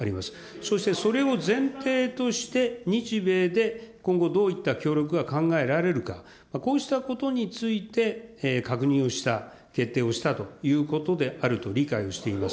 そして、それを前提として、日米で今後どういった協力が考えられるか、こうしたことについて確認をした、決定をしたということであると理解をしています。